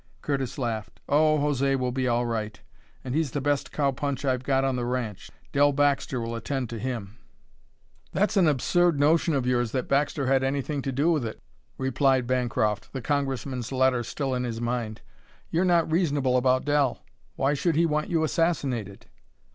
Curtis laughed. "Oh, José will be all right; and he's the best cow punch I've got on the ranch. Dell Baxter will attend to him." "That's an absurd notion of yours that Baxter had anything to do with it," replied Bancroft, the Congressman's letter still in his mind. "You're not reasonable about Dell. Why should he want you assassinated?"